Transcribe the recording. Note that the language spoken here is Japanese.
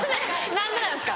何でなんですか。